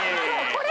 これ。